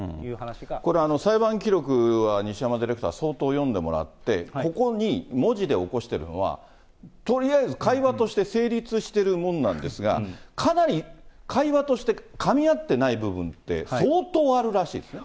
これ、裁判記録は、西山ディレクター、相当読んでもらって、ここに文字で起こしてるのは、とりあえず会話として成立してるものなんですが、かなり会話としてかみ合ってない部分って、相当あるらしいですね。